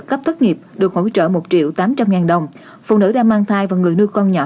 cấp thất nghiệp được hỗ trợ một triệu tám trăm linh ngàn đồng phụ nữ đang mang thai và người nuôi con nhỏ